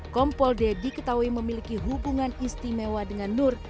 kompol d diketahui memiliki hubungan istimewa dengan nur